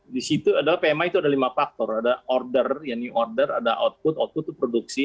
di situ adalah pmi itu ada lima faktor ada order ya new order ada output output itu produksi